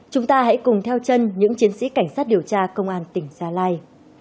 chúng ta hãy cùng theo chân những chiến sĩ cảnh sát điều tra công an tỉnh gia lai